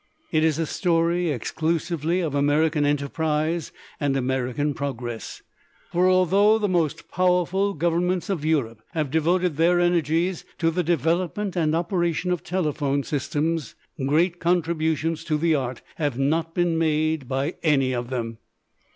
It is a story exclusively of American enterprise and American progress, for, although the most powerful governments of Europe have devoted their energies to the development and operation of telephone systems, great contributions to the art have not been made by any of them.